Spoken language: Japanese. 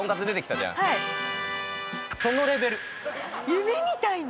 夢みたいな。